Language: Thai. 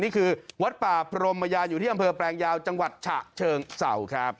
นี่คือวัดป่าพรมยานอยู่ที่อำเภอแปลงยาวจังหวัดฉะเชิงเศร้าครับ